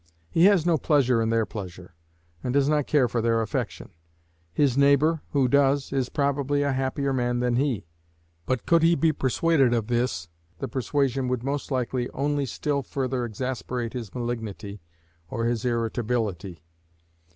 He has no pleasure in their pleasure, and does not care for their affection. His neighbor, who does, is probably a happier man than he; but could he be persuaded of this, the persuasion would, most likely, only still further exasperate his malignity or his irritability.